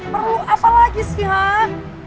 perlu apa lagi sih hah